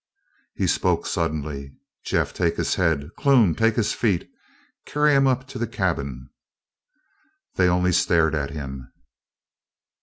He spoke suddenly: "Jeff, take his head; Clune, take his feet. Carry him up to the cabin." They only stared at him.